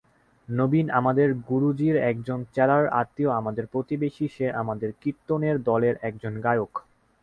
নবীন আমাদের গুরুজির একজন চেলার আত্মীয়–আমাদের প্রতিবেশী, সে আমাদের কীর্তনের দলের একজন গায়ক।